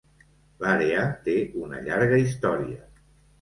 L'àrea té una llarga història.